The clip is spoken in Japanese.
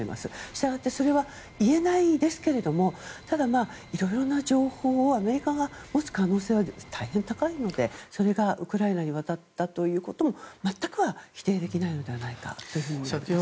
したがって、それは言えないですけれどもただ、色々な情報をアメリカが持つ可能性は大変高いのでそれがウクライナに渡ったということも全くは否定できないのではないかと思います。